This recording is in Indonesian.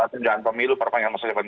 tundaan pemilu perpanjangan masa jabatan